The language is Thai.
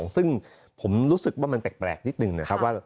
ซึ่งผมรู้สึกว่ามันแปลกนิดนึงนะครับว่า